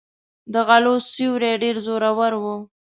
د غلو سیوری ډېر زورور و.